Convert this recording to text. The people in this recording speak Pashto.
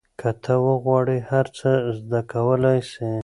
که ته وغواړې هر څه زده کولای سې.